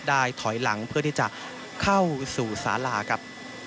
ถอยหลังเพื่อที่จะเข้าสู่สาราครับ